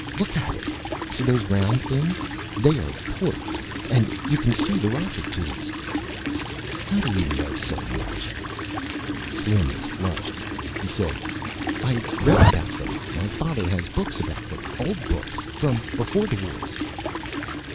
Look at it. See those round things. They are ports. And you can see the rocket tubes." "How do you know so much?" Slim was flushed. He said, "I read about them. My father has books about them. Old books. From Beforethewars."